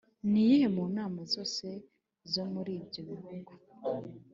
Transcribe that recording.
Ni iyihe mu mana zose zo muri ibyo bihugu